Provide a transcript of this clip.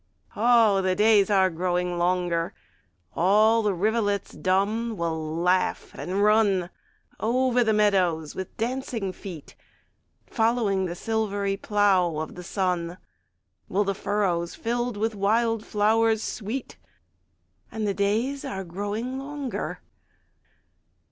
Oh, the days are growing longer, All the rivulets dumb will laugh, and run Over the meadows with dancing feet; Following the silvery plough of the sun, Will be furrows filled with wild flowers sweet: And the days are growing longer.